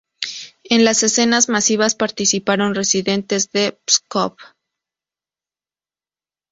En las escenas masivas participaron residentes de Pskov.